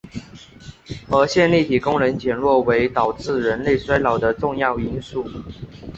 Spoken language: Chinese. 而线粒体功能减弱为导致人类衰老的重要因素。